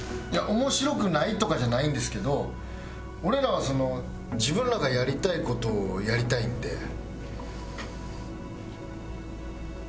いや面白くないとかじゃないんですけど俺らはその自分らがやりたい事をやりたいんで。